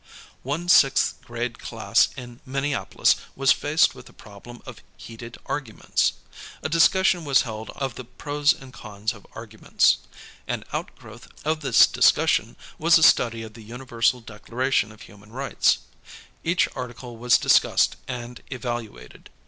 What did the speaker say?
One sixth grade class in Minneapolis was faced with the problem of heated arguments. A discussion was held of the pros and cons of arguments. An 10 HOW CHILDREN LEARN ABOUT HUMAN RIGHTS outgrowth of this discussion was a study of the Universal Declaration of Human Hiphts. Each Article was discussed and evaluated.